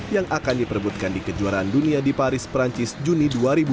yang akan diperbutkan di kejuaraan dunia di paris perancis juni dua ribu dua puluh